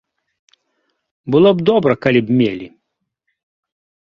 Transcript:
Было б добра, калі б мелі.